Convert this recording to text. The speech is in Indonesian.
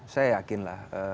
saya yakin lah